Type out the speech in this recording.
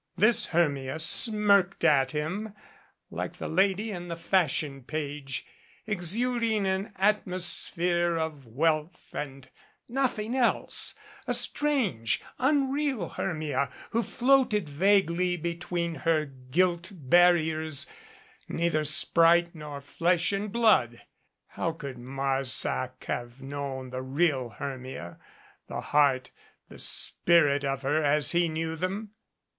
This Hermia smirked at him like the lady in the fashion page, exuding an atmosphere of wealth and nothing else a strange, unreal Hermia who floated vaguely between her gilt barriers, neither sprite nor flesh and blood. How could Marsac have known the real Hermia the heart, the spirit of her as he knew them!